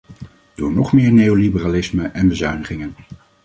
Door nog meer neoliberalisme en bezuinigingen.